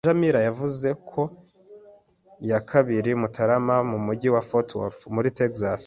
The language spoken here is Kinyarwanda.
Roger Miller yavutse ku ya kabiri Mutarama mu mujyi wa Fort Worth, muri Texas.